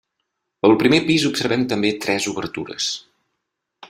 Al primer pis observem també tres obertures.